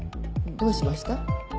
どうしました？